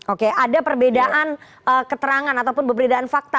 oke ada perbedaan keterangan ataupun perbedaan fakta